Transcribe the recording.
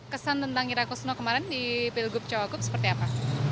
kesan tentang ira kusno kemarin di pilgub cawagup seperti apa